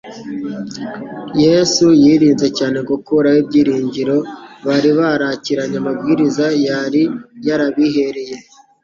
Yesu yirinze cyane gukuraho ibyiringiro bari barakiranye amabwiriza yari yarabihereye.